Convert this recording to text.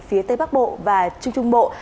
phía tây bắc bộ và trung trung bộ